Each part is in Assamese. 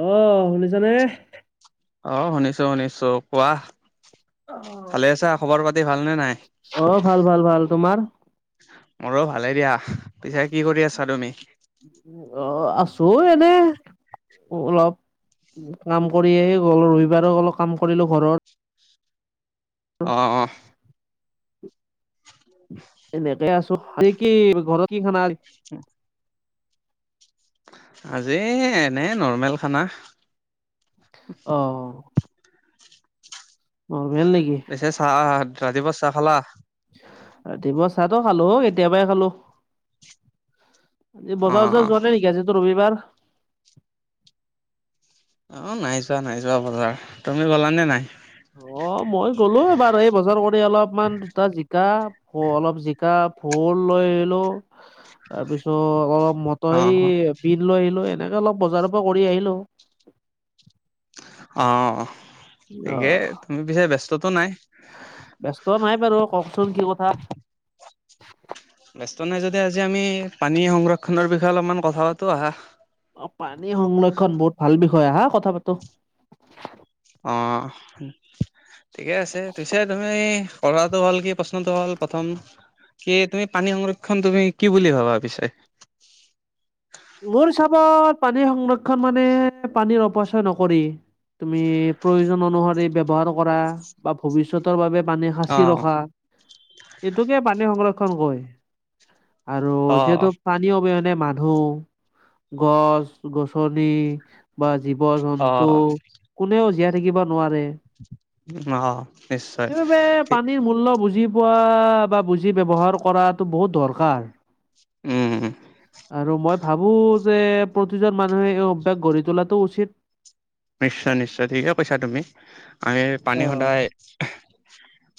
আহ শুনিছানে? অঁ শুনিছো শুনিছো কোৱা। অঁ। ভালে আছা? খবৰ পাতি ভালনে নাই। অঁ ভাল ভাল ভাল তোমাৰ? মোৰো ভালে দিয়া, পিছে কি কৰি আছা তুমি? অ' আছো এনে, অলপ। কাম কৰিয়ে গ'ল ৰবিবাৰো অলপ কাম কৰিলোঁ ঘৰৰ। অহ অহ। এনেকে আছো আজি কি ঘৰত কি খানা আজি। উম। আজি এনেই নৰ্মেল খানা। অ। নৰ্মেল নেকি। পিছে চাহ ৰাতিপুৱা চাহ খালা। ৰাতিপুৱা চাহতো খালোঁ কেতিয়াবাই খালোঁ আজি অ বজাৰ অ চজাৰ যোৱা নাই নেকি আজি তো ৰবিবাৰ। অ নাই যোৱা নাই যোৱা বজাৰ তুমি গ'লানে নাই। অ মই গ'লো এবাৰ এই বজাৰ কৰি অলপমান দুটা জিকা। অ অলপ জিকা ভোল লৈ আহিলো তাৰপিছত অলপ ম অ চৰাই অ বিন লৈ আহিলোঁ এনেকে অলপ বজাৰৰ পৰা কৰি আহিলোঁ। অহ থিকে অ তুমি পিছে ব্যস্ততো নাই। ব্যস্ত নাই বাৰু কওকচোন কি কথা। ব্যস্ত নাই যদি আজি আমি পানী সংৰক্ষণৰ বিষয়ে অলপমান কথা পাতোঁ অহা। অ পানী সংৰক্ষণ বহুত ভাল বিষয় আহা কথা পাতোঁ। অহ। ঠিকে আছে পিছে তুমি কৰাটো হল কি প্ৰশ্নটো হ'ল প্ৰথম। কি তুমি পানী সংৰক্ষণ তুমি কি বুলি ভাবা পিছে। মোৰ হিচাপত পানীৰ সংৰক্ষণ মানে পানীৰ অপচয় নকৰি। তুমি প্ৰয়োজন অনুসৰি ব্যৱহাৰ কৰা বা ভৱিষ্যতৰ বাবে পানী সাঁচি অ ৰখা। এইটোকে পানী সংৰক্ষণ কয় আৰু অ', যিহেতু পানী। পানী অবিহনে মানুহ। গছ গছনি বা জীৱ জন্তু। অ', কোনেও জীয়াই থাকিব নোৱাৰে? অ', নিশ্চয় সেইবাবে ঠিক পানীৰ মূল্য বুজি। পোৱা বা বুজি ব্যৱহাৰ কৰাটো বহুত দৰকাৰ। উম, আৰু মই ভাবো যে। প্ৰতিজন মানুহে এই অভ্যাস গঢ়ি তোলাটো উচিত। নিশ্চয় নিশ্চয় ঠিকে কৈছা তুমি আমি পানী অ', সদায়।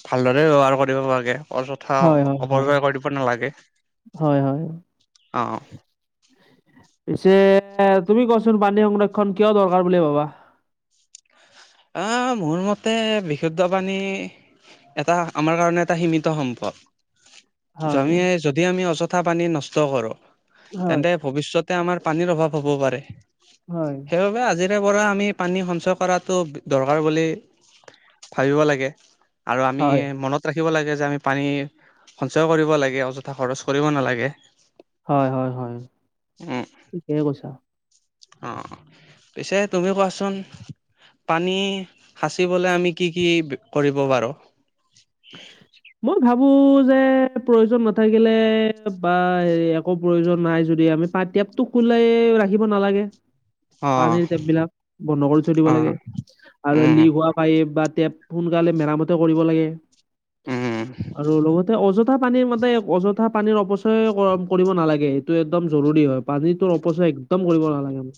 ভালদৰে ব্যৱহাৰ কৰিব লাগে অযথা হয়, হয়, হয়। অপব্যৱহাৰ কৰিব। কৰিব নালাগে। হয় হয়। অহ অহ। পিছে তুমি কচোন পানী সংৰক্ষণ কিয় দৰকাৰ বুলি ভাবা। অহ মোৰ মতে বিশুদ্ধ পানী। এটা আমাৰ কাৰণে এটা সীমিত সম্পদ। হয়। যদি যদি আমি অযথা পানী নষ্ট কৰোঁ হয়, তেন্তে। ভৱিষ্যতে আমাৰ পানীৰ অভাৱ হ'ব পাৰে। হয় সেইবাবে আজিৰে পৰা আমি পানী সঞ্চয় কৰাটো। দৰকাৰ বুলি ভাবিব লাগে আৰু আমি হয়। মনত। ৰাখিব লাগে যে আমি পানী সঞ্চয় কৰিব লাগে অযথা খৰচ কৰিব নালাগে। [inaudible] হয়-হয়-হয়, উম ঠিকেই কৈছা। [unintelligible] অঁ! পিছে তুমিও কোৱা চোন [inaudible] পানী সাঁচিবলৈ আমি কি কি কৰিব পাৰোঁ? [unintelligible] উ [unintelligible] মই ভাবো যে প্ৰয়োজন নাথাকিলে বা হে একো প্ৰয়োজন নাই যদি আমি [inaudible] [unintelligible] টেপটো খোলাই ৰাখিব নালাগে। অঁ পানীৰ টেপবিলাক বন্ধ কৰি থৈ দিব অঁ লাগে আৰু উম লিক হোৱা [inaudible] পাইপ বা টেপ সোনকালে মেৰামূতিও কৰিব লাগে। উম লগতে অজ [unintelligible] অযথা পানীৰ মানতে অযথা পানীৰ অপচয় কৰিব নালাগে এইটো একদম জৰুৰী হয়। পানীটোৰ অপচয় [inaudible] একদম কৰিব নালাগে। [inaudible]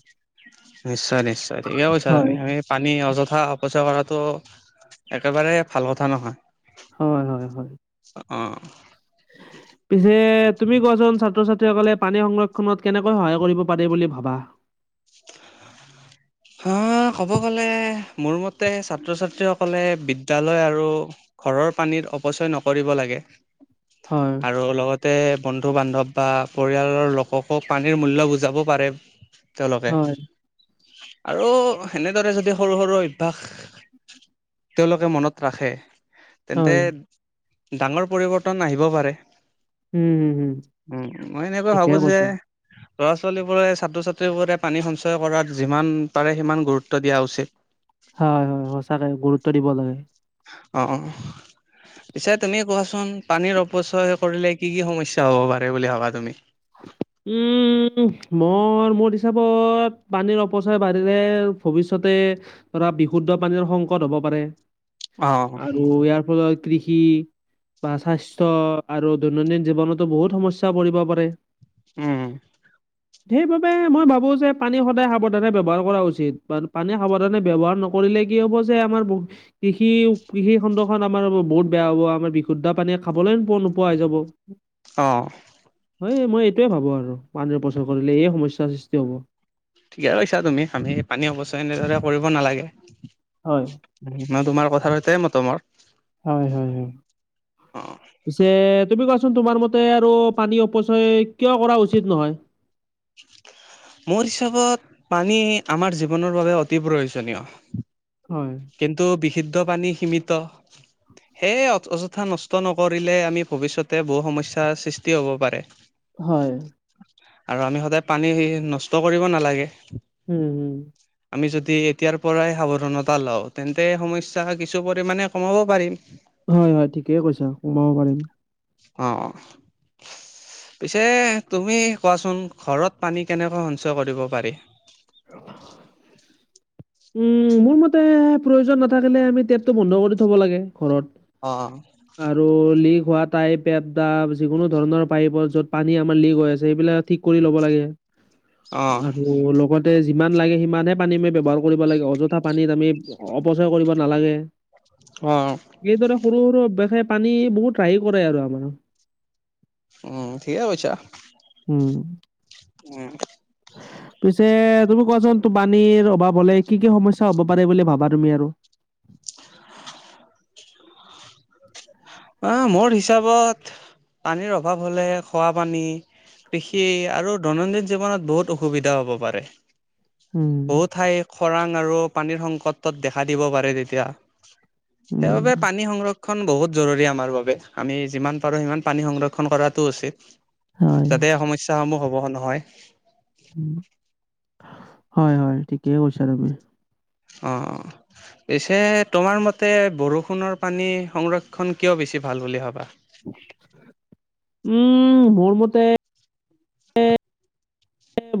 নিশ্চয়-নিশ্চয়, ঠিকে কৈছা হয়। তুমি। [inaudible] পানী অযথা অপচয় কৰাটো একেবাৰে ভাল কথা নহয়। [inaudible] হয়-হয় [unintelligible] অঁ! [unintelligible] [unintelligible] পিছে তুমি কোৱা চোন ছাত্ৰ-ছাত্ৰীসকলে পানী সংৰক্ষনত কেনেকৈ সহায় কৰিব পাৰি বুলি ভাবা? [inaudible] [unintelligible] [unintelligible] ক'ব গ'লে মোৰ মতে ছাত্ৰ-ছাত্ৰীসকলে বিদ্যালয় আৰু ঘৰৰ পানীৰ অপচয় নকৰিব লাগে। [inaudible] হয়। [unintelligible] আৰু লগতে বন্ধু-বান্ধৱ বা পৰিয়ালৰ লোককো পানীৰ মূল্য বুজাব পাৰে। [unintelligible] চল [inaudible] হয় [inaudible] আৰু সেনেদৰে যদি সৰু-সৰু অভ্যাস [unintelligible] তেওঁলোকে মনত ৰাখে। [inaudible] তেন্তে হয় ডাঙৰ পৰিৱৰ্তন আহিব পাৰে। উম হম হম [inaudible] উম মই এনেকুৱা ঠিকে ভাবো যে কৈছা। [inaudible] ল'ৰা-ছোৱালীবোৰে, ছাত্ৰ-ছাত্ৰীবোৰে পানী সঞ্চয় কৰাত যিমান পাৰে সিমান গুৰুত্ব দিয়া উচিত। [inaudible] হয়-হয় সঁচাকে গুৰুত্ব দিব লাগে। [unintelligible] অঁ-অঁ [inaudible] পিছে তুমি কোৱা চোন পানীৰ অপচয় কৰিলে কি কি সমস্যা হ'ব পাৰে বুলি ভাবা তুমি? [inaudible] [unintelligible] উম! মই মোৰ হিচাপত পানীৰ অপচয় বাঢ়িলে ভৱিষ্যতে [inaudible] ধৰা বিশুদ্ধ পানীৰ সংকট হব পাৰে অ', আৰু ইয়াৰ ফলত [inaudible] কৃষি বা স্বাস্থ্য আৰু দৈনন্দিন জীৱনতো বহুত সমস্যা পৰিব পাৰে। [unintelligible] উম! [unintelligible] সেইবাবে মই ভাবো যে পানী সদায় সাৱধানে ব্যৱহাৰ কৰা উচিত। পানী সাৱধানে ব্যৱহাৰ নক [unintelligible] নকৰিলে কি হ'ব যে আমাৰ [inaudible] কৃষি-কৃষি খণ্ডখন আমাৰ বহুত বেয়া হ'ব আমাৰ বিশুদ্ধ পানীয়ে খাবলৈও নোপোৱা হৈ যাব। [unintelligible] অঁ! [unintelligible] হয়। মই এইটোৱে ভাবোঁ আৰু ৱানড্ৰেড পাৰ্চেণ্ট কৰিলে এই সমস্যাৰ সৃষ্টি হ'ব। [inaudible] ঠিকে কৈছা তুমি আমি পানী অপচয় এনেদৰে কৰিব নালাগে। [unintelligible] হয়। [unintelligible] [unintelligible] মই তোমাৰ কথা সৈতে মতামত [unintelligible] হয়, হয় হয়। অ' পিছে তুমি কোৱাচোন? তোমাৰ মতে আৰু পানী অপচয় কিয় কৰা উচিত নহয়। মোৰ হিচাপত, পানী আমাৰ জীৱনৰ বাবে অতি প্ৰয়োজনীয়। হয়। কিন্তু বিশুদ্ধ পানী সীমিত। সেয়ে অ অযথা নষ্ট নকৰিলে আমি ভৱিষ্যতে বহু সমস্যাৰ সৃষ্টি হ'ব পাৰে। হয়। আৰু আমি সদায় পানী সেই নষ্ট কৰিব নালাগে। উম, উম। আমি যদি এতিয়াৰ পৰাই সাৱধানত তা লওঁ। তেন্তে সমস্যা কিছু পৰিমাণে কমাব পাৰিম। হয়, হয়। ঠিকেই কৈছা, কমাব পাৰিম। অঁ, অঁ। পিছে তুমি কোৱাচোন? ঘৰত পানী কেনেকৈ সঞ্চয় কৰিব পাৰি। উম, মোৰ মতে, প্ৰয়োজন নাথাকিলে আমি টেপটো বন্ধ কৰি থ'ব লাগে ঘৰত। অঁ, অঁ। আৰু লিক হোৱা টাইপ এটা যিকোনো ধৰণৰ পাইপৰ য'ত পানী আমাৰ লিক হৈ আছে সেইবিলাক ঠিক কৰি ল'ব লাগে। অ' আৰু লগতে যিমান লাগে সিমানহে পানী আমি ব্যৱহাৰ কৰিব লাগে। অযথা পানীত আমি অপচয় কৰিব নালাগে। অঁ অঁ। এইদৰে সৰু সৰু ব্যয়সায় পানী বহুত ৰাহি কৰে আৰু আমাৰ। উম, ঠিকে কৈছা। উম। উম। পিছে তুমি কোৱাচোন? পানীৰ অভাৱ হ'লে কি কি সমস্যা হ'ব পাৰে বুলি ভাৱা তুমি আৰু? অঁ, মোৰ হিচাপত পানীৰ অভাৱ হ'লে খোৱা পানী কৃষি আৰু দৈনন্দিন জীৱনত বহুত অসুবিধা হ'ব পাৰে। উম, বহু ঠাই খৰাং আৰু পানীৰ সংকটত দেখা দিব পাৰে তেতিয়া। উম, সেইবাবে পানী সংৰক্ষণ বহুত জৰুৰী আমাৰ বাবে। আমি যিমান পাৰো সিমান পানী সংৰক্ষণ কৰাটো উচিত। হয়, যাতে সমস্ স্যাসমূহ হ'ব নহয়। উম, হয়, হয় ঠিকেই কৈছা তুমি। অঁ, অঁ। পিছে তোমাৰ মতে, বৰষুণৰ পানী সংৰক্ষণ কিয় বেছি ভাল বুলি ভাৱা? উম, মোৰ মতে,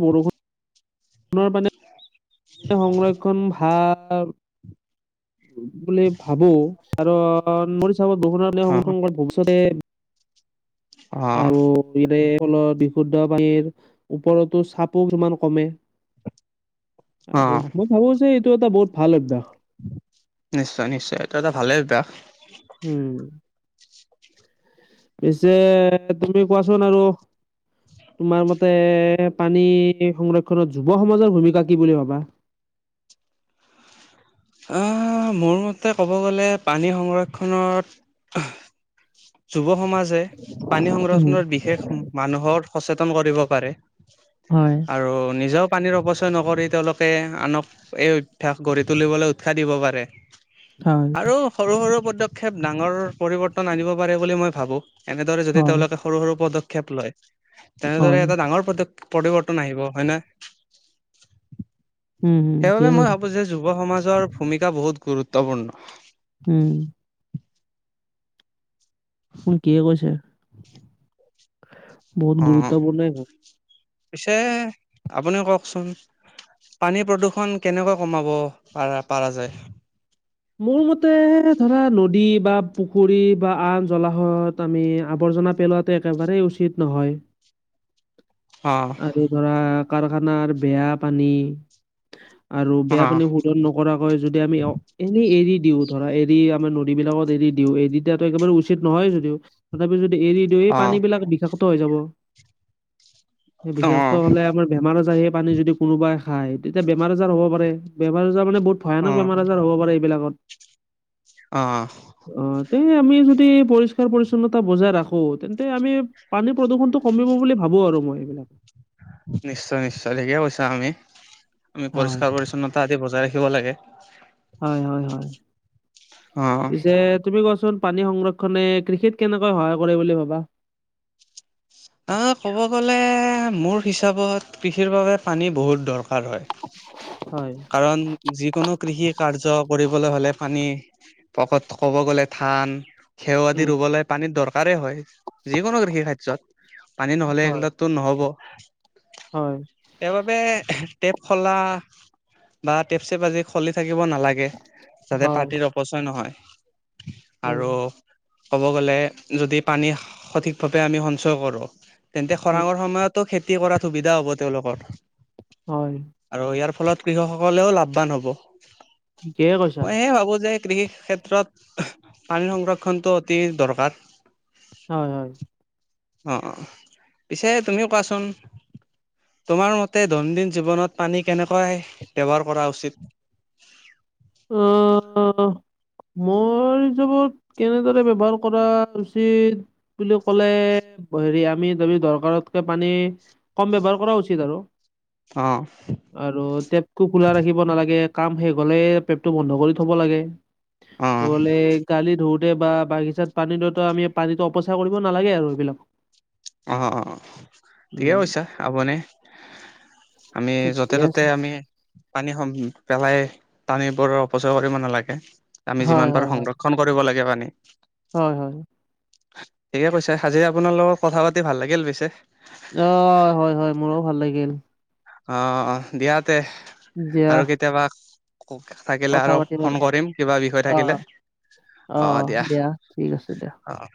বৰষুণৰ পানী সংৰক্ষণ ভাল বুলি ভাৱো। কাৰণ মোৰ হিচাপত বৰষুণৰ পানী অ সংৰক্ষণ কৰি ভৱিষ্যতে অঁ। [unintelligible] ফলত বিশুদ্ধ পানীৰ ওপৰতো চাপো কিছুমান কমে। অ আৰু মই ভাৱোঁ যে এইটো এটা বহুত ভাল অভ্যাস। নিশ্চয়, নিশ্চয় এইটো এটা ভালেই অভ্যাস। উম। পিছে তুমি কোৱাচোন আৰু। তোমাৰ মতে পানী সংৰক্ষণত যুৱ সমাজৰ ভূমিকা কি বুলি ভাবা? আহ মোৰ মতে ক'ব গ'লে পানী সংৰক্ষণত যুৱ সমাজে পানী উম, সংৰক্ষণত বিশেষ মানুহৰ সচেতন কৰিব পাৰে। হয়, আৰু নিজেও পানীৰ অপচয় নকৰি তেওঁলোকে আনক এই অভ্যাস গঢ়ি তুলিবলৈ উৎসাহ দিব পাৰে। হয়। আৰু সৰু সৰু পদক্ষেপ ডাঙৰৰ পৰিৱৰ্তন আনিব পাৰে বুলি মই ভাবো, এনেদৰে যদি হয়, তেওঁলোকে সৰু সৰু পদক্ষেপ লয়, তেনেদৰে হয়, এটা ডাঙৰ প্ৰদেপ পৰিবৰ্তন আহিব হয় নে। উম, উম, সেইবাবে ঠিকে মই কৈছা, ভাবো যে যুৱ সমাজৰ ভূমিকা বহুত গুৰুত্বপূৰ্ণ। উম! ঠিকে কৈছে, বহুত অ গুৰুত্বপূৰ্ণ হয়। পিছে আপুনি কওঁকচোন? পানী প্ৰদূৰ্ষণ কেনেকৈ কমাব পাৰা পাৰা যায়? মোৰ মতে ধৰা নদী বা পুখুৰী বা আন জলাশয়ত আমি আৱৰ্জনা পেলোৱাতটো একেবাৰেই উচিত নহয়। অহ। আৰু ধৰা কাৰখানাৰ বেয়া পানী আৰু বেয়া অ', পানী শুধ ন কৰাকৈ যদি আমি অক এনেই এৰি দিওঁ ধৰা এৰি আমাৰ নদীবিলাকত এৰি দিওঁ এৰি দিয়া একেবাৰে উচিত নহয় যদিও। তথাপি যদি এৰি দিওঁ এই অ', পানীবিলাক বিষাক্ত হৈ যাব। বিষাক্ত অ', হ'লে আমাৰ বেমাৰ আজাৰ সেই পানী যদি কোনোবাই খায় তেতিয়া বেমাৰ-আজাৰ হ'ব পাৰে, বেমাৰ- আজাৰ মানে বহুত ভয়ানক অ', বেমাৰ- আজাৰ হ'ব পাৰে এইবিলাকত। অহ অ তে আমি যদি পৰিষ্কাৰ পৰিচ্ছন্নতা বজাই ৰাখো তেন্তে আমি পানী প্ৰদূষণটো কমিব বুলি ভাবো আৰু মই এইবিলাক। নিশ্চয় নিশ্চয় ঠিকে কৈছা আপুনি আমি হয়, পৰিষ্কাৰ পৰিচ্ছন্নতা আজি বজাই ৰাখিব লাগে। হয় হয় হয় অ', পিছে তুমি কোৱাচোন পানী সংৰক্ষনে কৃষিত কেনেকৈ সহায় কৰে বুলি ভাবা? আ ক'ব গ'লে মোৰ হিচাপত কৃষিৰ বাবে পানী বহুত দৰকাৰ হয়। হয়। কাৰণ যিকোনো কৃষি কাৰ্য কৰিবলৈ হ'লে পানীৰ পকত ক'ব গ'লে থান খেয় দি উম, ৰুবলৈ পানীৰ দৰকাৰেই হয়, যিকোনো কৃষি কাৰ্যত পানী নহ'লে হয়, এইগলত টো নহ'ব। হয়। সেইবাবে টেপ খলা বা টেপ চেপ আজি খলি থাকিব নালাগে। যাতে হয়। পানীৰ অপচয় নহয়, উম, আৰু ক'ব গ'লে যদি পানী সঠিকভাৱে আমি সঞ্চয় কৰোঁ, তেন্তে উম। খৰাঙৰ সময়ত টো খেতি কৰাত সুবিধা হ'ব তেওঁলোকৰ। হয়। আৰু ইয়াৰ ফলত কৃষক সকলেও লাভৱান হব, ঠিকেই কৈছা। মই এই ভাবো যে কৃষি ক্ষেত্ৰত পানীৰ সংৰক্ষণটো অতি দৰকাৰ। হয় হয়। অঁ অঁ' পিছে তুমিও কোৱাচোন। তোমাৰ মতে দৈনন্দিন জীৱনত পানী কেনেকৈই ব্যৱহাৰ কৰা উচিত? উউমম' মোৰ হিচাপত কেনেদৰে ব্যৱহাৰ কৰা উচিত- বুলি ক'লে হেৰি আমি যদি দৰকাৰতকে পানী- কম ব্যৱহাৰ কৰা উচিত আৰু। অঁহ' আৰু টেপটো খোলা ৰাখিব নালাগে, কাম শেষ হলে টেপটো বন্ধ কৰি থব লাগে। অ নহলে গালি ধৌৱত- তে বা বাগিচাত পানী দিওতে আমি পানীতো অপচয় কৰিব নালাগে আৰু এইবিলাক। অ‍ঁ অঁ' ঠিকে উম কৈছা আপুনি। আমি য'তে ঠিকে ত'তে আছে আমি- পানী সম পেলাই পানী বোৰ অপচয় কৰিব নালাগে আমি যিমান হয় পাৰো হয় হয় সংৰক্ষ- ক্ষন কৰিব লাগে পানী। হয় হয়। ঠিকে কৈছে। আজি আপোনাৰ লগত কথা পাতি ভাল লাগিল পিছে। অঁ হয় হয়, মোৰো ভাল লাগিল। অঁহ অঁহ দিয়াতে দিয়া আৰু কেতিয়াবা- থাকিলে কথা আৰু পাতিম ফোন কৰিম কিবা বিষয় থাকিলে। অঁ অঁ দিয়া ঠিক আছে দিয়া। অঁ'